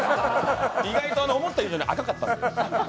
意外と思った以上に赤かったんで。